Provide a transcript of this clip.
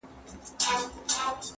زه پلان نه جوړوم!.